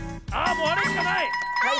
もうあれしかない！